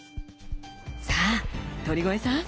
さあ鳥越さん